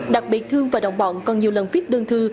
đặc biệt thương và đồng bọn còn nhiều lần viết đơn thư